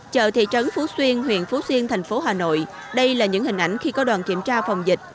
chợ thị trấn phú xuyên huyện phú xuyên thành phố hà nội đây là những hình ảnh khi có đoàn kiểm tra phòng dịch